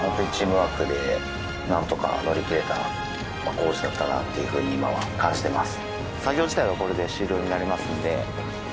工事だったなっていうふうに今は感じてます。